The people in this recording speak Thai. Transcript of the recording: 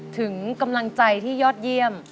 ถึงกำลังใจที่ยอดเยี่ยม